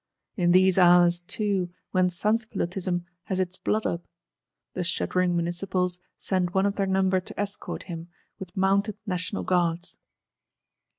In these hours too, when Sansculottism has its blood up! The shuddering Municipals send one of their number to escort him, with mounted National Guards.